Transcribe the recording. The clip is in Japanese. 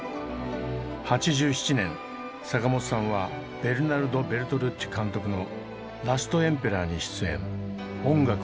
８７年坂本さんはベルナルド・ベルトルッチ監督の「ラストエンペラー」に出演音楽を担当。